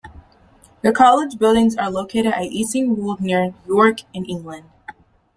The college buildings are located at Easingwold near York in England.